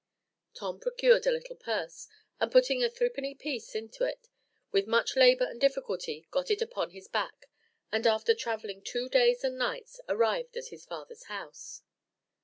Tom procured a little purse, and putting a threepenny piece into it, with much labour and difficulty got it upon his back; and after travelling two days and nights, arrived at his father's house.